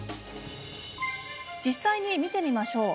実際に見てみましょう。